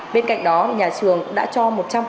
bên cạnh đó nhà trường đã cho một trăm linh